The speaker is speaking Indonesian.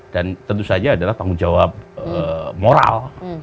dan tentu saja adalah tanggung jawab moral